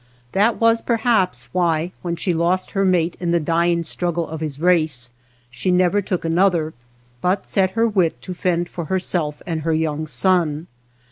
That was^ perhaps why, when she lost her mate in the dying struggle of his race, she never took another, but set her wit to fend for herself and her young son.